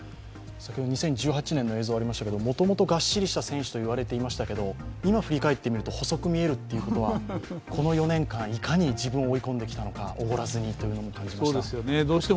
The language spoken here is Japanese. ２０１８年の映像がありましたが、もともとがっしりした体格といわれてきましたが今振り返ってみると細く見えるということは、この４年間いかに自分を追い込んできたのか、おごらずにと感じました。